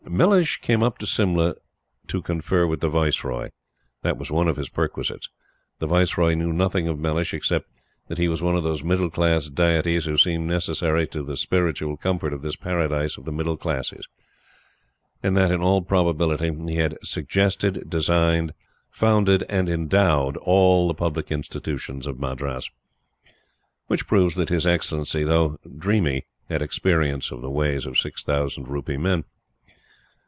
Mellishe came up to Simla "to confer with the Viceroy." That was one of his perquisites. The Viceroy knew nothing of Mellishe except that he was "one of those middle class deities who seem necessary to the spiritual comfort of this Paradise of the Middle classes," and that, in all probability, he had "suggested, designed, founded, and endowed all the public institutions in Madras." Which proves that His Excellency, though dreamy, had experience of the ways of six thousand rupee men.